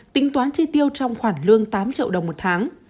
tính toán chi tiêu trong khoản lương tám triệu đồng một tháng